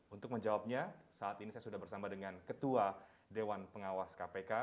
untuk menjawabnya saat ini saya sudah bersama dengan ketua dewan pengawas kpk